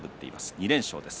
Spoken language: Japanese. ２連勝です。